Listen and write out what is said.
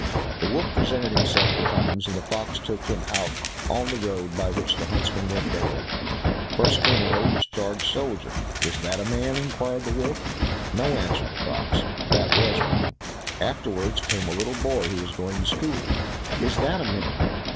The wolf presented himself betimes, and the fox took him out on the road by which the huntsmen went daily. First came an old discharged soldier. "Is that a man?" inquired the wolf. "No," answered the fox, "that was one." Afterwards came a little boy who was going to school. "Is that a man?"